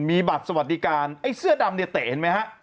มีบัตรสวัสดิการไอ้เสื้อดำเนี่ยเตะเห็นไหมฮะ